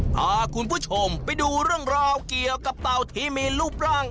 พาคุณผู้ชมไปดูเรื่องราวเกี่ยวกับเต่าที่มีรูปร่าง